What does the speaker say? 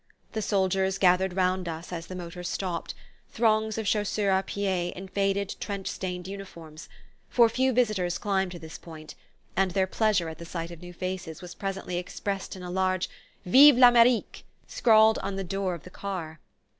The soldiers gathered round us as the motor stopped throngs of chasseurs a pied in faded, trench stained uniforms for few visitors climb to this point, and their pleasure at the sight of new faces was presently expressed in a large "Vive l'Amerique!" scrawled on the door of the car.